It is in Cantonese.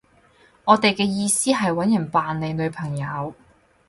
我哋嘅意思係搵人扮你女朋友